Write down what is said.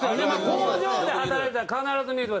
工場で働いてたら必ず見る。